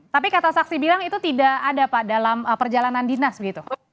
tapi kata saksi bilang itu tidak ada pak dalam perjalanan dinas begitu